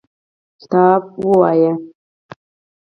کتاب ولوله